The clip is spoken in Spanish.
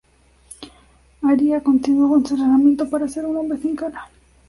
Arya continúa con su entrenamiento para ser un hombre sin cara.